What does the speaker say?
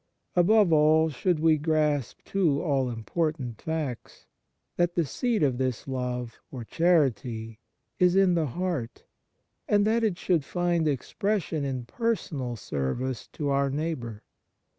Above all should we grasp two all important facts : that the seat of this love, or charity, is in the heart, and that it should find expression in personal service of our neigh bour.